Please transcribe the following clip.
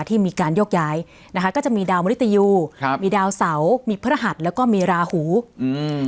ที่มีการโยกย้ายนะคะก็จะมีดาวมริตยูครับมีดาวเสามีพระหัสแล้วก็มีราหูอืม